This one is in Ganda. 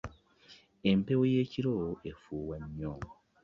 Empewo y'ekiro efuuwa nnyo.